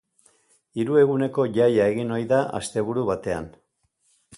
Hiru eguneko jaia egin ohi da asteburu batean.